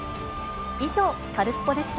以上、カルスポっ！でした。